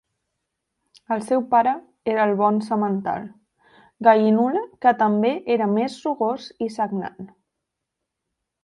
El seu pare era el bon semental, Gallinule que també era més rugós i sagnant.